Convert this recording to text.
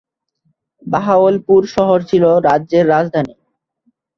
বাহাওয়ালপুর শহর ছিল রাজ্যের রাজধানী।